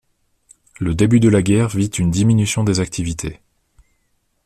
Le début de la guerre vit une diminution des activités.